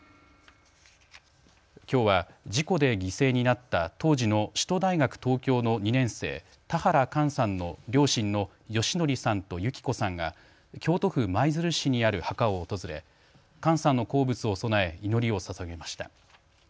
きょうは事故で犠牲になった当時の首都大学東京の２年生、田原寛さんの両親の義則さんと由起子さんが京都府舞鶴市にある墓を訪れ寛さんの好物を供え祈りをささげました。